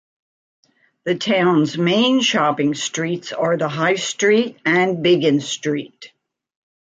The town's main shopping streets are the High Street and Biggin Street.